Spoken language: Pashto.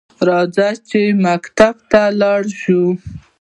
راځه چې مکتب ته لاړشوو؟